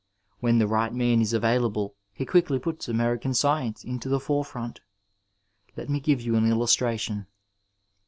When the right man is available he quickly puts American science into the forefront. Let me give you an illustration.